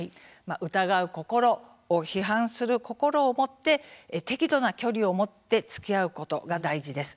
疑う心、批判的な心を持って適度な距離を持ってつきあうことが大事です。